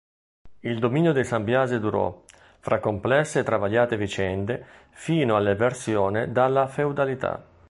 Il dominio dei Sambiase durò, fra complesse e travagliate vicende fino all’eversione dalla feudalità.